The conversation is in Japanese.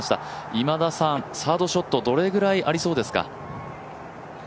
今田さん、サードショットどれぐらいありそうですか？